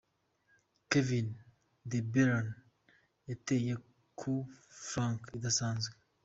Kevin De Bryne yateye coup franc idasanzwe.